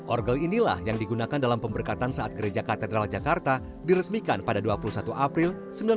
orgel inilah yang digunakan dalam pemberkatan saat gereja katedral jakarta diresmikan pada dua puluh satu april seribu sembilan ratus enam puluh